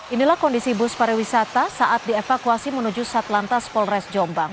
inilah kondisi bus pariwisata saat dievakuasi menuju satlantas polres jombang